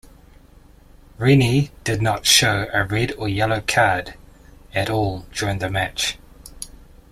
Rennie did not show a red or yellow card at all during the match.